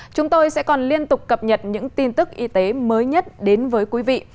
chúng tôi sẽ còn liên tục cập nhật những tin tức y tế mới nhất đến với quý vị